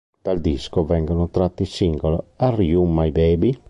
Dal disco vengono tratti i singoli "Are You My Baby?